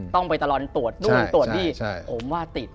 ต้องไปตลอดตรวจดูดตรวจที่